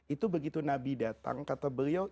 itu begitu nabi datang kata beliau